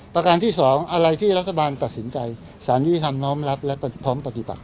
ประการที่๒อะไรที่รัฐบาลตัดสินใจสารยุติธรรมน้อมรับและพร้อมปฏิบัติ